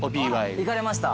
行かれました？